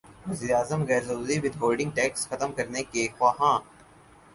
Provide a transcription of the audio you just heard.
وزیراعظم غیر ضروری ود ہولڈنگ ٹیکس ختم کرنے کے خواہاں